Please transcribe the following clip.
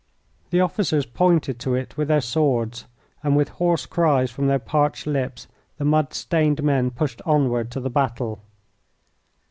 The officers pointed to it with their swords, and with hoarse cries from their parched lips the mud stained men pushed onward to the battle.